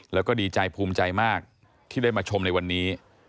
แล้วก็ดีใจภูมิใจมากที่ได้มาชมในวันนี้